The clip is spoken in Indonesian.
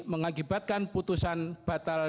mengakibatkan putusan batal